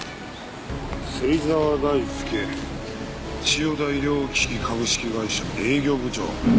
千代田医療機器株式会社の営業部長。